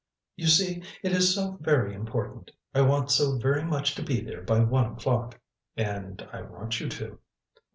"You see, it is so very important. I want so very much to be there by one o'clock." "And I want you to."